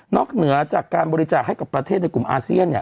เหนือจากการบริจาคให้กับประเทศในกลุ่มอาเซียนเนี่ย